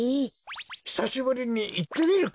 ひさしぶりにいってみるか？